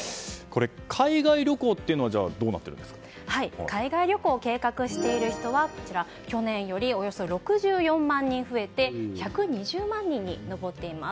海外旅行というのは海外旅行を計画している人は去年より、およそ６４万人増えて１２０万人に上っています。